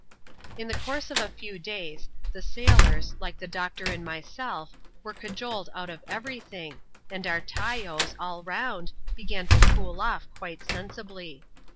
In the course of a few days, the sailors, like the doctor and mjraelf, were cajoled out of every thin^, and our " tajos,^ all round, began to cool off quite aenaWAy.